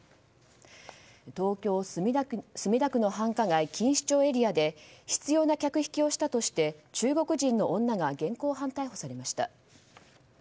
東京・墨田区の繁華街錦糸町エリアで執拗な客引きをしたとして中国人の女が現行犯逮捕されました。